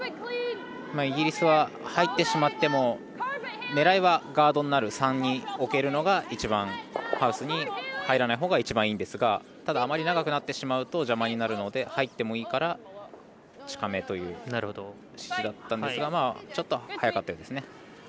イギリスは入ってしまっても狙いはガードになる３に置けるのがハウスに入らないほうが一番いいんですがただ、あまり長くなってしまうと邪魔になるので入ってもいいので近めという指示だったんですがちょっと早かったようですね。